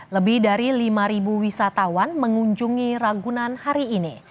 lebih dari lima wisatawan mengunjungi ragunan hari ini